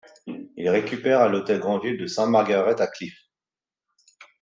Ils récupèrent à l'hôtel Granville de St Margaret-at-Cliffe.